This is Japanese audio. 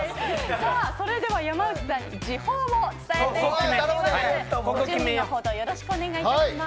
それでは山内さんに時報を伝えてもらいたいということで準備のほどよろしくお願いいたします。